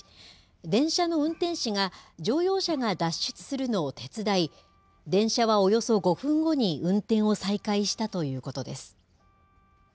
電車の運転士が、乗用車が脱出するのを手伝い、電車はおよそ５分後に運転を再開したということです。